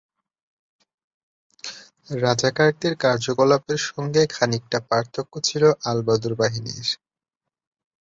রাজাকারদের কার্যকলাপের সঙ্গে খানিকটা পার্থক্য ছিল আল-বদর বাহিনীর।